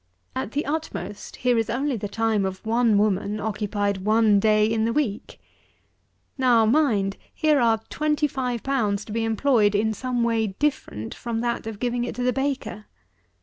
At the utmost here is only the time of one woman occupied one day in the week. Now mind, here are twenty five pounds to be employed in some way different from that of giving it to the baker.